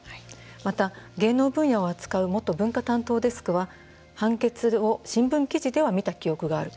また、芸能分野を扱う元文化担当デスクは判決を新聞記事では見た記憶がある。